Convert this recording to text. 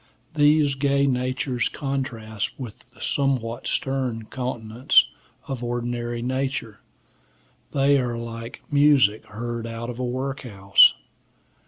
These gay natures contrast with the somewhat stern countenance of ordinary nature; they are like music heard out of a workhouse.